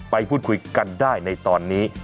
ไปพูดคุยกันได้ในตอนนี้